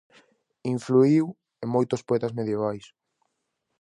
Influíu en moitos poetas medievais.